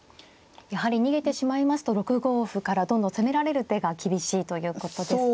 やはり逃げてしまいますと６五歩からどんどん攻められる手が厳しいということですか。